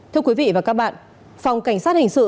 thưa quý vị và các bạn phòng cảnh sát hình sự